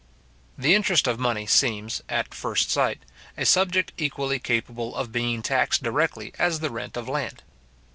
The interest of money seems, at first sight, a subject equally capable of being taxed directly as the rent of land.